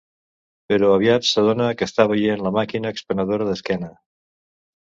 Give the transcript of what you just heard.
Però aviat s'adona que està veient la màquina expenedora d'esquena.